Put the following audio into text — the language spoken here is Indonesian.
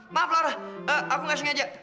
maaf lara aku gak sengaja